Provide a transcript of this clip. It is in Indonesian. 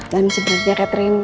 dan sebenarnya catherine